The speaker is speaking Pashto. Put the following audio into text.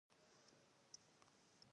بح بح دا خو يې لويه توره کړې.